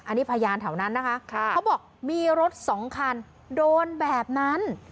อันนี้พยานแถวนั้นนะคะเขาบอกมีรถสองคันโดนแบบนั้น